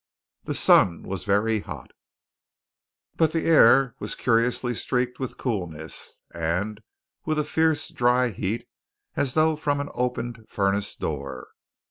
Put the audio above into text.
The sun was very hot; but the air was curiously streaked with coolness and with a fierce dry heat as though from an opened furnace door.